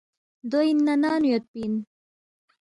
دو اَنا ننگ نُو یودپی اِن